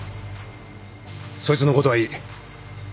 そいつのことはいい